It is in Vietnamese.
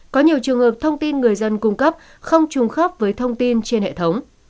có nhiều trường hợp thông tin người dân cung cấp không trùng khớp với thông tin trên hệ thống